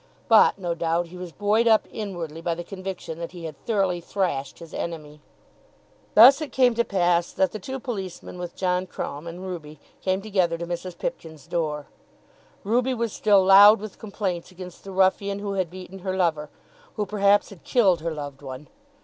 But, no doubt, he was buoyed up inwardly by the conviction that he had thoroughly thrashed his enemy. Thus it came to pass that the two policemen with John Crumb and Ruby came together to Mrs. Pipkin's door. Ruby was still loud with complaints against the ruffian who had beaten her lover, who, perhaps, had killed her loved one.